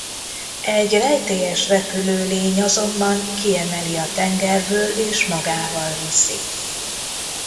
Egy rejtélyes repülő lény azonban kiemeli a tengerből és magával viszi.